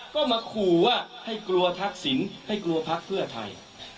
ก็มาขู่ว่าให้กลัวทักษิณให้กลัวพักเพื่อไทย